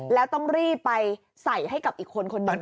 แล้วต้องรีบไปใส่ให้กับอีกคนคนหนึ่ง